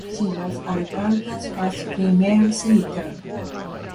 She was Alberta's first female Senator.